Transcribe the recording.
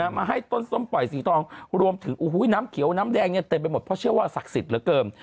มาให้ต้นส้มปล่อยสีทองรวมถึงน้ำเขียวน้ำแดงเนี่ยเต็มไปหมดเพราะเชื่อว่าศักดิ์สิทธิ์เหลือเกิน